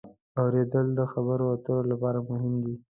اورېدل د خبرو اترو لپاره مهم دی.